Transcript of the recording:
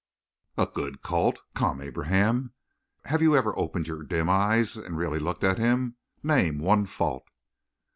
"A good colt! Come, Abraham! Have you ever opened your dim eyes and really looked at him? Name one fault."